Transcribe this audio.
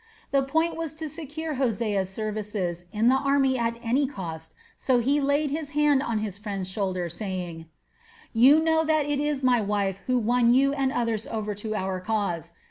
The point was to secure Hosea's services in the army at any cost, so he laid his hand on his friend's shoulder, saying: "You know that it was my wife who won you and others over to our cause.